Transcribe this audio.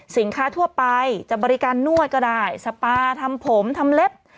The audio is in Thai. ทั่วไปจะบริการนวดก็ได้สปาทำผมทำเล็บ